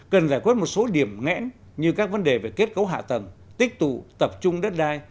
cần giải quyết một số điểm ngẽn như các vấn đề về kết cấu hạ tầng tích tụ tập trung đất đai